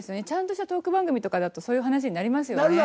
ちゃんとしたトーク番組とかだとそういう話になりますよね。